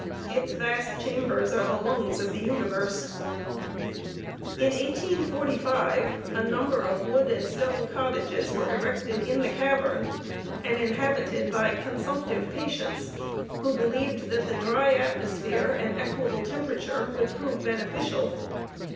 Its vast chambers are the lungs of the universe. In 1845, a number of wood and stone cottages were erected in the cavern, and inhabited by consumptive patients, who believed that the dry atmosphere and equable temperature would prove beneficial.